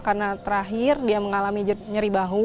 karena terakhir dia mengalami nyeri bahu